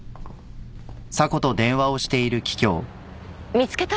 見つけた？